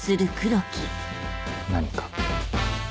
何か？